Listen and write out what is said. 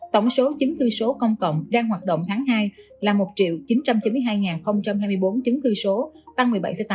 tổng số chính thư số công cộng đang hoạt động tháng hai là một chín trăm chín mươi hai hai mươi bốn chính thư số tăng một mươi bảy tám mươi chín